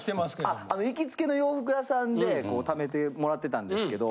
あの行きつけの洋服屋さんで貯めてもらってたんですけど。